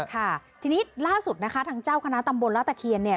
ค่ะทีนี้ล่าสุดนะคะทางเจ้าคณะตำบลลาตะเคียนเนี่ย